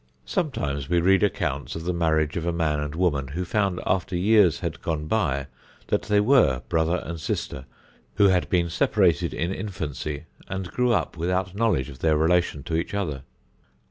Sometimes we read accounts of the marriage of a man and woman who found, after years had gone by, that they were brother and sister who had been separated in infancy and grew up without knowledge of their relation to each other.